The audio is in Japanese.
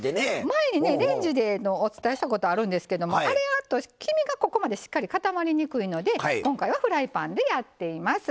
前にレンジでってお伝えしたことあるんですけどあれだと黄身がここまで固まりにくいので今回はフライパンでやっています。